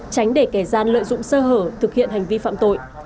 tránh để kẻ gian lợi dụng sơ hở thực hiện hành vi phạm tội